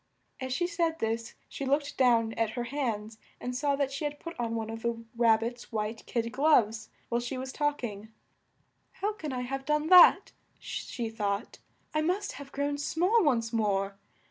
As she said this she looked down at her hands and saw that she had put on one of the Rab bit's white kid gloves while she was talk ing. "How can I have done that?" she thought. "I must have grown small once more."